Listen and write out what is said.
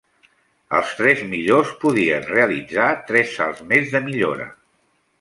Els tres millors podien realitzar tres salts més de millora.